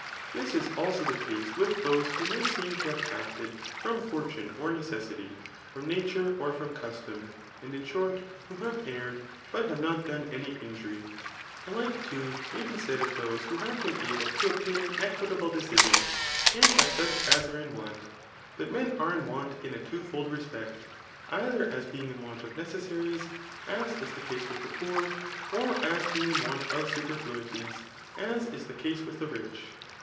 Tliis is also tbe case with those who may seem to have acted from.for« tmie or necessity, from nature, or from custom ; and iti flbbrt,' "v^ho have erred, but have not done any injury. The Hke tod may be said of those who have been able to obtain an' equitable decision ; and of such as are in want* But men are in want in a twofold respect ; either as being in want of necessaries, as is the case with the poor; or as bemg in want of superfluitieis, ai is the case with the rich.